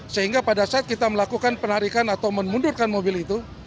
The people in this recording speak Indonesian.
sehingga pada saat kita melakukan penarikan atau memundurkan mobil itu